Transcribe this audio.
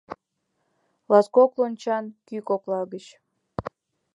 Латкок лончан кӱ кокла гыч